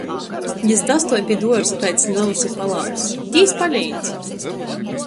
Jis dastuoj pi duorza, taids lels i palāks: "Dīs paleidz!"